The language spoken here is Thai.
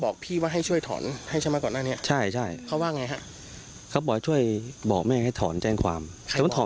คิดป็าใจใจแล้วครับแต่ว่าเดี๋ยวรอดูอีก